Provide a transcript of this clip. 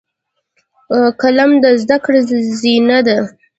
قلم د زده کړې زینه ده